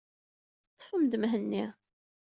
Ṭṭfem-d Mhenni.